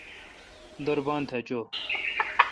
دور بان تھا چو۔